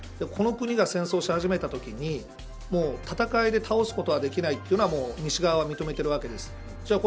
この国が戦争しはじめたときに戦いで倒すことはできないというのは西側は認めてるわけです。